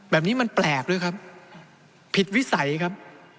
แบบนี้มันแปลกด้วยครับผิดวิสัยครับ